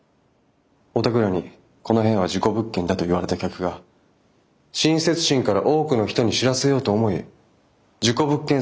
おたくらに「この部屋は事故物件だ」と言われた客が親切心から多くの人に知らせようと思い事故物件サイトに書き込む。